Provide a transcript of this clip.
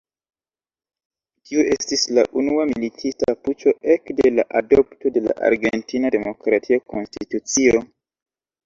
Tiu estis la unua militista puĉo ekde la adopto de la argentina demokratia konstitucio.